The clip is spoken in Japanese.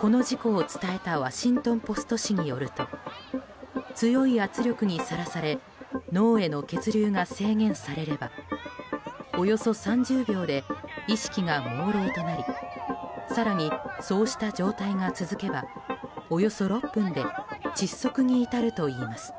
この事故を伝えたワシントン・ポスト紙によると強い圧力にさらされ脳への血流が制限されればおよそ３０秒で意識がもうろうとなり更にそうした状態が続けばおよそ６分で窒息に至るといいます。